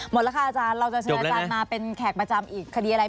หมดแล้วค่ะอาจารย์เราจะเชิญอาจารย์มาเป็นแขกประจำอีกคดีอะไร